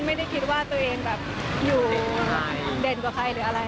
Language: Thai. ไม่ได้คิดว่าตัวเองแบบอยู่เด่นกว่าใครหรืออะไร